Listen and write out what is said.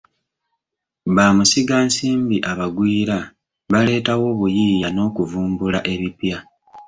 Bamusigansimbi abagwira baleetawo obuyiiya n'okuvumbula ebipya.